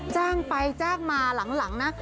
จ้างไปจ้างมาหลังนะ